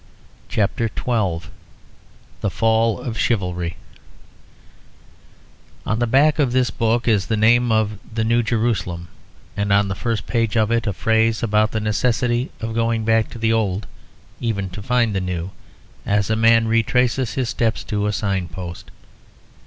CHAPTER XII THE FALL OF CHIVALRY On the back of this book is the name of the New Jerusalem and on the first page of it a phrase about the necessity of going back to the old even to find the new, as a man retraces his steps to a sign post.